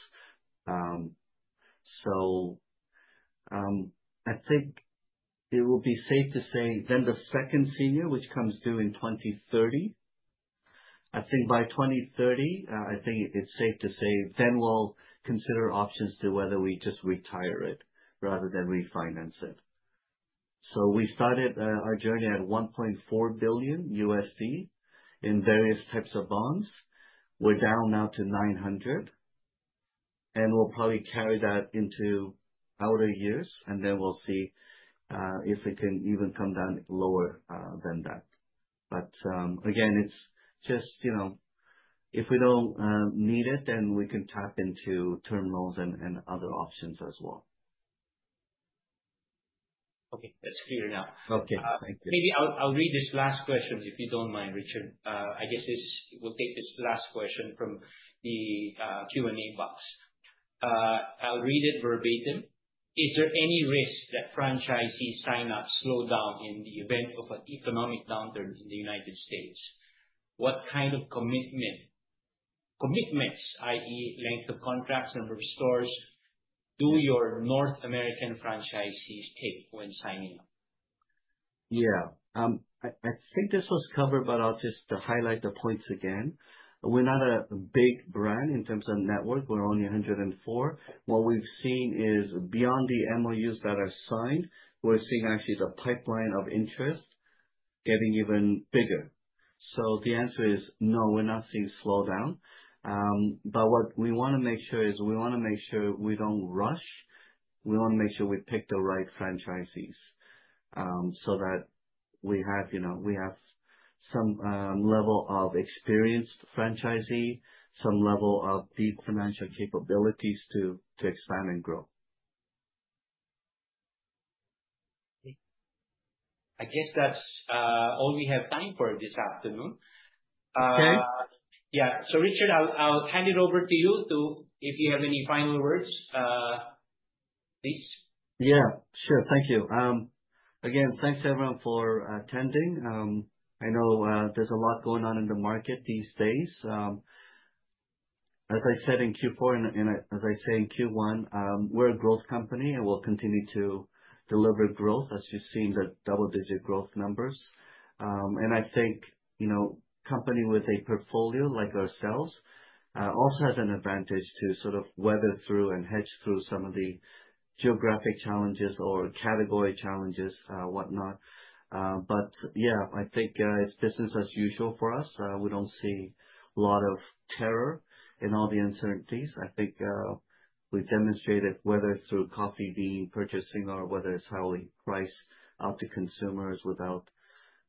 [SPEAKER 3] I think it will be safe to say then the second senior, which comes due in 2030, I think it's safe to say then we'll consider options to whether we just retire it rather than refinance it. We started our journey at $1.4 billion USD in various types of bonds. We're down now to $900 million, and we'll probably carry that into outer years, and then we'll see if it can even come down lower than that. But, again, it's just, you know, if we don't need it, then we can tap into terminals and other options as well.
[SPEAKER 1] Okay. That's clear now.
[SPEAKER 3] Okay. Thank you.
[SPEAKER 1] Maybe I'll read this last question if you don't mind, Richard. I guess we'll take this last question from the Q&A box. I'll read it verbatim. Is there any risk that franchisees sign-ups slow down in the event of an economic downturn in the United States? What kind of commitments, i.e., length of contracts and stores do your North American franchisees take when signing up?
[SPEAKER 3] Yeah. I, I think this was covered, but I'll just highlight the points again. We're not a big brand in terms of network. We're only 104. What we've seen is beyond the MOUs that are signed, we're seeing actually the pipeline of interest getting even bigger. So the answer is no, we're not seeing slow down. But what we want to make sure is we want to make sure we don't rush. We want to make sure we pick the right franchisees, so that we have, you know, we have some, level of experienced franchisee, some level of deep financial capabilities to, to expand and grow.
[SPEAKER 1] I guess that's all we have time for this afternoon.
[SPEAKER 3] Okay.
[SPEAKER 1] Yeah. So, Richard, I'll hand it over to you to, if you have any final words, please.
[SPEAKER 3] Yeah. Sure. Thank you again, thanks everyone for attending. I know there's a lot going on in the market these days. As I said in Q4 and as I say in Q1, we're a growth company and we'll continue to deliver growth as you've seen the double-digit growth numbers. And I think, you know, a company with a portfolio like ourselves also has an advantage to sort of weather through and hedge through some of the geographic challenges or category challenges, whatnot. But yeah, I think it's business as usual for us. We don't see a lot of terror in all the uncertainties. I think we've demonstrated whether through Coffee Bean purchasing or whether it's how we price out to consumers without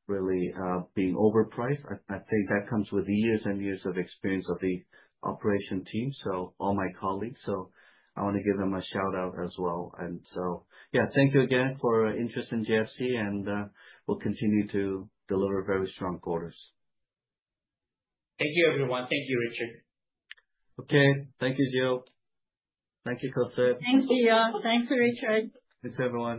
[SPEAKER 3] really being overpriced. I think that comes with years and years of experience of the operations team, so all my colleagues. So I want to give them a shout out as well, and so, yeah, thank you again for interest in JFC, and we'll continue to deliver very strong quarters.
[SPEAKER 1] Thank you, everyone. Thank you, Richard.
[SPEAKER 3] Okay. Thank you, Gio. Thank you, Cosette.
[SPEAKER 2] Thank you, John. Thanks, Richard.
[SPEAKER 3] Thanks, everyone.